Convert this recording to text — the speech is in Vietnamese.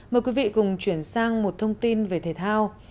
mời quý vị cùng chuyển sang một thông tin về thể thao